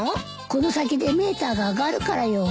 この先でメーターが上がるからよ。